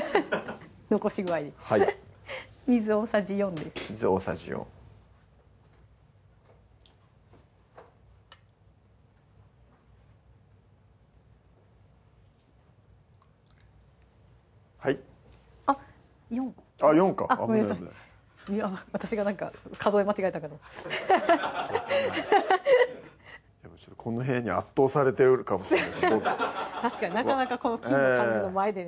残し具合水大さじ４です水大さじ４はいあっ４あっ４か危ない危ない私がなんか数え間違えたかとやっぱこの部屋に圧倒されてるかも確かになかなかこの金の感じの前でね